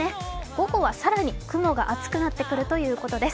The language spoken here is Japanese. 午後は更に雲が厚くなってくるということです。